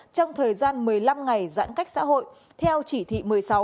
trong thời gian một mươi năm ngày giãn cách xã hội theo chỉ thị một mươi sáu